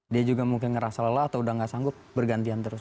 dia juga mungkin ngerasa lelah atau udah gak sanggup bergantian terus